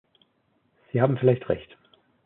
Sie haben vielleicht recht.